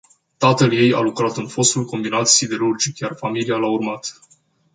Tatăl ei lucra în fostul combinat siderurgic, iar familia l-a urmat.